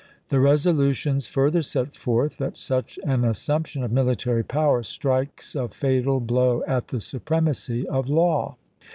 The resolutions further set forth that such an assumption of military power strikes a fatal blow at the supremacy of law.